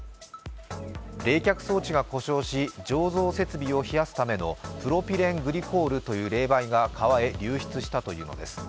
冷却装置が故障し醸造設備を冷やすためのプロピレングリコールという冷媒が川へ流出したというのです。